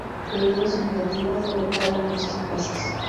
Debido a su negativa fue vetado en muchas plazas.